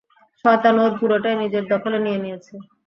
শয়তান ওর পুরোটাই নিজের দখলে নিয়ে নিয়েছে।